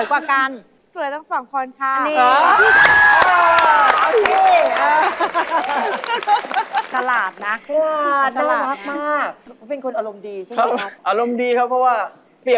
อยู่ด้วยกันมา๒๔ปีครับ๒๔ปี